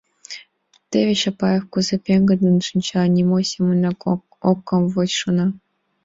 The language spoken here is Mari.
Теве Чапаев кузе пеҥгыдын шинча, нимо семынат ок камвоч», — шона.